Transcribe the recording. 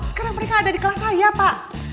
sekarang mereka ada di kelas saya pak